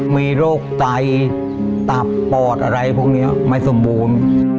มีโรคไตตับปอดอะไรพวกนี้ไม่สมบูรณ์